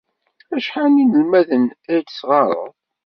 Acḥal n yinelmaden ay tesƔareḍ?